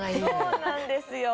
そうなんですよ。